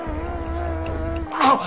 あっ！